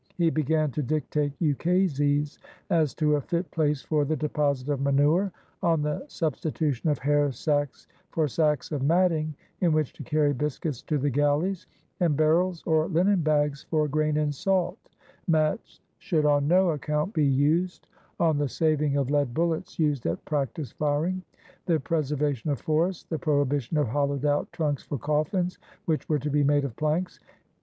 He began to dictate ukases as to a fit place for the deposit of manure; on the substitu tion of hair sacks for sacks of matting in which to carry biscuits to the galleys; and barrels, or linen bags, for grain and salt, — "mats should on no account be used "; on the saving of lead bullets used at practice firing; the preservation of forests; "the prohibition of hollowed out trunks for cofl&ns," which were to be made of planks.